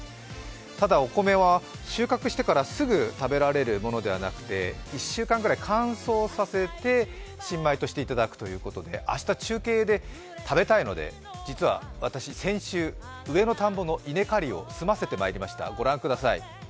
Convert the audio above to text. ただ、お米は収穫してからすぐ食べられるものではなくて、１週間ぐらい乾燥させて、新米としていただくということで明日、中継で食べたいので実は私、先週、上の田んぼの稲刈りを済ませてまいりました。